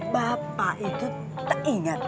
pak bapak itu tak ingat